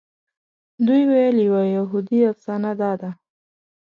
دوی ویل یوه یهودي افسانه داده.